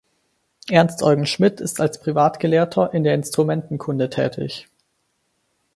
Ernst Eugen Schmidt ist als Privatgelehrter in der Instrumentenkunde tätig.